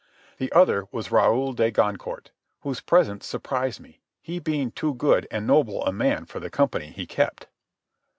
The other was Raoul de Goncourt, whose presence surprised me, he being too good and noble a man for the company he kept.